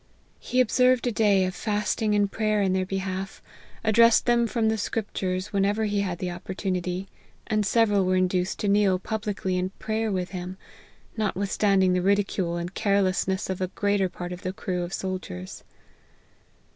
He observed a day of fasting and prayer in their behalf, addressed them from the scriptures whenever he had opportunity, and several were induced to kneel publicly in prayer with him, notwithstanding the ridicule and carelessness of the greater part of the crew and soldiers.